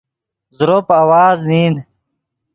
زروپ آواز نین